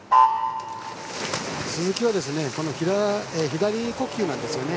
鈴木は左呼吸なんですよね。